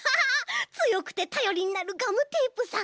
つよくてたよりになるガムテープさん。